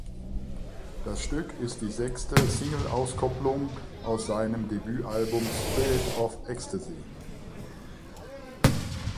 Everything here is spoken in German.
Das Stück ist die sechste Singleauskopplungen aus seinem Debütalbum "Spirit of Ecstasy".